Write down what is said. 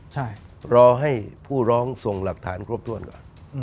ใช่รอให้ผู้ร้องส่งหลักฐานครบถ้วนก่อน